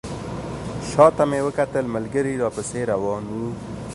شاته مې وکتل ملګري راپسې روان وو.